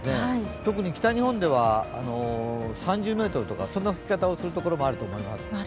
特に北日本では３０メートルという吹き方をするところもあると思います。